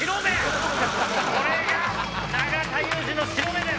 これが永田裕志の白目です！